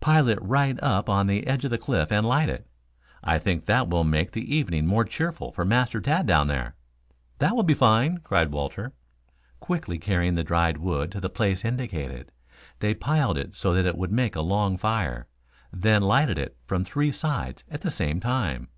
Pile it right up on the edge of the cliff and light it. I think that will make the evening more cheerful for Master Tad down there." "That will be fine," cried Walter. Quickly carrying the dried wood to the place indicated, they piled it so that it would make a long fire, then lighted it from three sides at the same time.